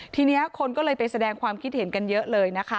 ทีนี้คนก็เลยไปแสดงความคิดเห็นกันเยอะเลยนะคะ